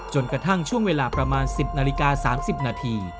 จนกระทั่งช่วงเวลาประมาณ๑๐นาฬิกา๓๐นาที